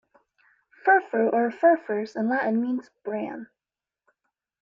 'Furfur' or 'furfures' in Latin means "bran".